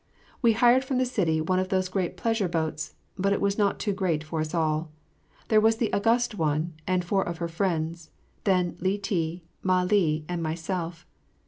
We hired from the city one of those great pleasure boats, but it was not too great for us all. There was the August One, and four of her friends, then Li ti, Mah li and myself.